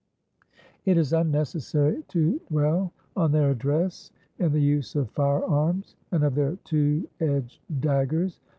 It is unnecessary to dwell on their address in the use of fire arms and of their two edged daggers.